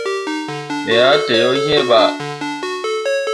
Me ah tǝǝ yo iŋ bah.